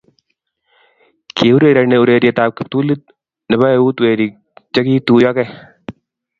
kiurereni urerietab kiptulit nebo eut werik che kiituyiogei